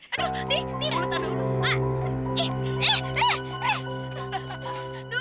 aduh nih aduh